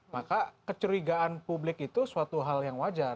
maka kecurigaan publik itu suatu hal yang wajar